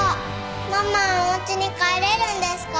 ママはおうちに帰れるんですか？